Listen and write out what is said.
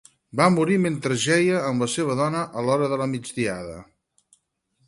Va morir mentre jeia amb la seva dona a l'hora de la migdiada.